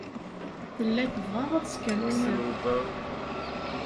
Tella tebɣa ad skerkseɣ.